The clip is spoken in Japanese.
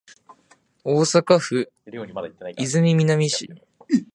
大阪府泉南市